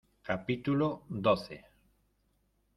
capítulo doce.